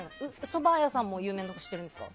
そば屋さんも有名なところ知ってるんですか？